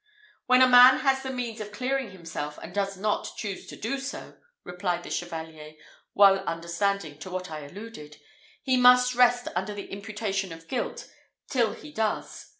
"When a man has the means of clearing himself, and does not choose to do so," replied the Chevalier, well understanding to what I alluded, "he must rest under the imputation of guilt till he does.